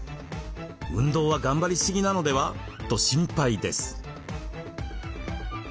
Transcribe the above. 運動は頑張りすぎなのでは？と心配です。